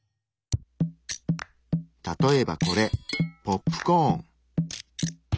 例えばこれポップコーン。